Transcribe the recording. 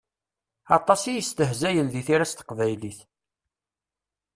Aṭas i yestehzayen di tira s teqbaylit.